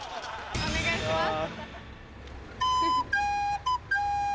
お願いします。